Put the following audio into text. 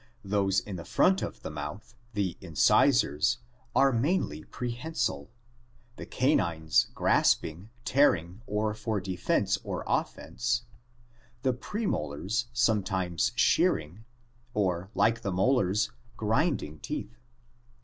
Those in the front of the mouth, the incisors, are mainly prehensile, the canines grasping, tearing, or for defense or offense, the premolars sometimes shearing, or, like the molars, grinding teeth.